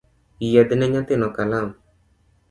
Yiedhne nyathino kalam